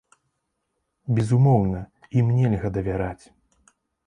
Безумоўна, ім нельга давяраць.